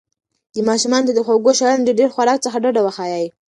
ماشومانو ته د خوږو شیانو د ډېر خوراک څخه ډډه وښایئ.